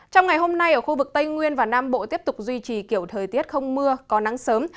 trong ngày hôm nay ở khu vực tây nguyên và nam bộ tiếp tục duy trì kiểu thời tiết không mưa có nắng sớm